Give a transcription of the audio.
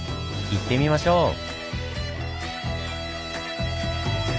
行ってみましょう。